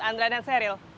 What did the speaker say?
andra dan seril